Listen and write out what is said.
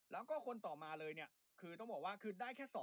แล้วก็คนต่อมาเลยเนี่ยคือต้องบอกว่าคือได้แค่๒